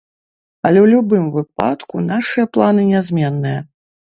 Але ў любым выпадку нашыя планы нязменныя.